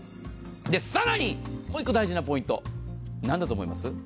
更にもう１個大事なポイント、何だと思います？